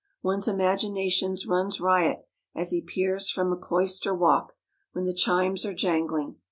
One's imaginations runs riot as he peers from a cloister walk, when the chimes are jangling.